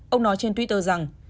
ông nói trên twitter rằng